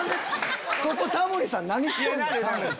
ここタモリさん何してんの？